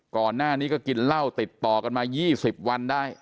ก่อนหน้านี้ก็กินเหล้าติดต่อกันมา๒๐วันได้